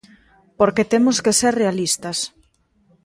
Porque temos que ser realistas.